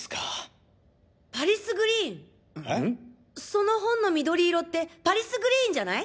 その本の緑色ってパリスグリーンじゃない？